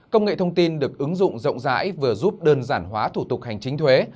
mẽ thông tin được ứng dụng rộng rãi vừa giúp đơn giản hóa thủ tục hành chính thuế